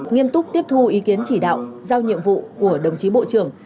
nghiêm túc tiếp thu ý kiến chỉ đạo giao nhiệm vụ của đồng chí bộ trưởng